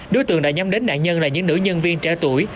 đối tượng đã nhắm đến nạn nhân là những nữ nhân viên trẻ tuổi